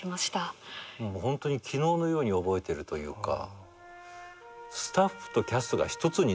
ホントに昨日のように覚えてるというか。